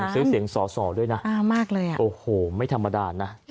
ซื้อเสียงสอสอด้วยนะโอ้โหไม่ธรรมดานะ